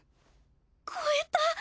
こえた！